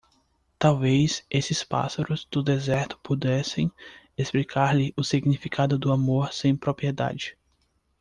Talvez esses pássaros do deserto pudessem explicar-lhe o significado do amor sem propriedade.